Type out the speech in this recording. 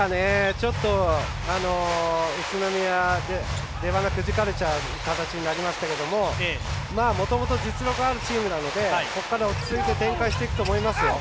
ちょっと宇都宮、出ばなくじかれる形になりましたけどもともと実力のあるチームなのでここから落ち着いて展開していくと思います。